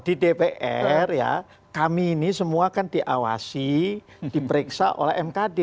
di dpr ya kami ini semua kan diawasi diperiksa oleh mkd